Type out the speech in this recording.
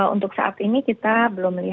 untuk saat ini kita belum lihat